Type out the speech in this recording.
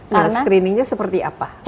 nah screeningnya seperti apa